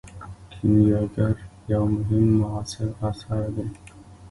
کیمیاګر یو مهم معاصر اثر دی.